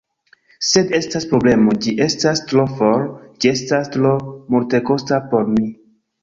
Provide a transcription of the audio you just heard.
Sed estas problemo: ĝi estas tro for, ĝi estas tro multekosta por mi.